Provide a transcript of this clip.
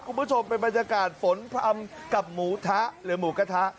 คุณผู้ชมเป็นบรรยากาศหฝนพร่ำกับหมูกะทะ